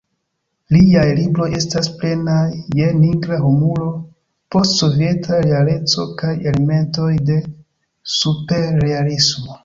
Liaj libroj estas plenaj je nigra humuro, post-sovieta realeco kaj elementoj de superrealismo.